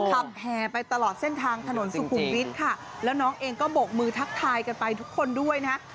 แห่ไปตลอดเส้นทางถนนสุขุมวิทย์ค่ะแล้วน้องเองก็โบกมือทักทายกันไปทุกคนด้วยนะฮะ